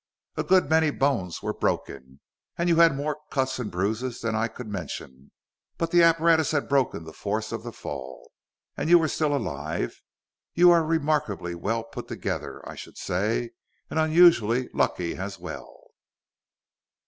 A good many bones were broken, and you had more cuts and bruises than I could mention; but the apparatus had broken the force of the fall, and you were still alive. You are remarkably well put together, I should say; and unusually lucky, as well!